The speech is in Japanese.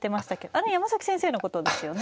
あれ山崎先生のことですよね。